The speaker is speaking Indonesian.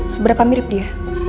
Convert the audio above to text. seberapa mirip dia